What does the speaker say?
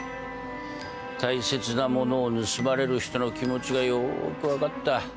大切なものを盗まれる人の気持ちがよーく分かった。